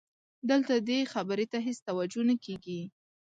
دلته دې خبرې ته هېڅ توجه نه کېږي.